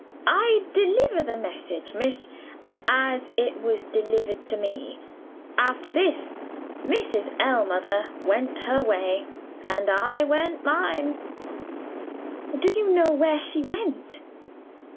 "I deliver the message, miss, as it was delivered to me. After which, Mrs. Ellmother went her way, and I went mine." "Do you know where she went?"